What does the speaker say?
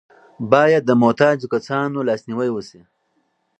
باید د محتاجو کسانو لاسنیوی وشي.